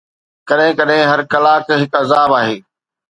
ڪڏهن ڪڏهن هر ڪلاڪ هڪ عذاب آهي